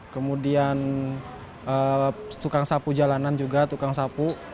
kemudian tukang sapu jalanan juga tukang sapu